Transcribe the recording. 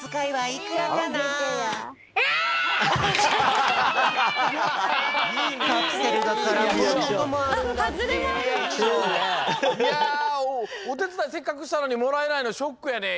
いやおてつだいせっかくしたのにもらえないのショックやで。